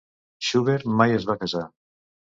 Schubert mai es va casar.